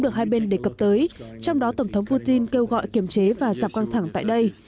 được hai bên đề cập tới trong đó tổng thống putin kêu gọi kiềm chế và giảm căng thẳng tại đây